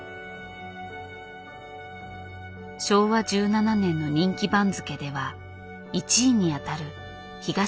昭和１７年の人気番付では１位にあたる東の横綱。